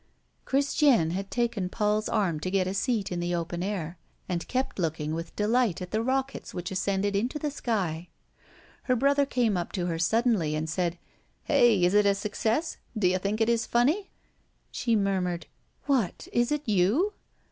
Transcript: Christiane had taken Paul's arm to get a seat in the open air, and kept looking with delight at the rockets which ascended into the sky. Her brother came up to her suddenly, and said: "Hey, is it a success? Do you think it is funny?" She murmured: "What, it is you?"